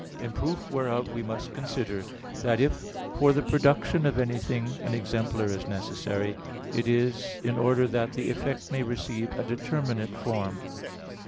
In proof whereof we must consider that if for the production of anything an exemplar is necessary, it is in order that the effect may receive a determinate form.